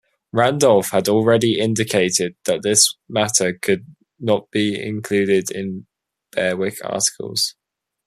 Randolph had already indicated that this matter could not be included in Berwick articles.